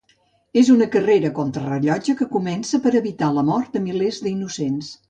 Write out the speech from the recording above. És una carrera contra rellotge que comença per evitar la mort de milers d'innocents.